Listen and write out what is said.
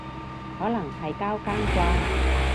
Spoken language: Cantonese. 可能係交更啩